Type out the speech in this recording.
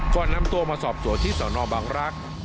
ก่อนนำตัวมาสอบสวนที่สนบังรักษ์